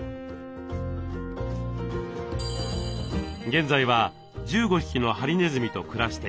現在は１５匹のハリネズミと暮らしています。